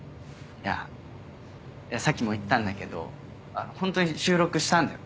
いやさっきも言ったんだけどホントに収録したんだよ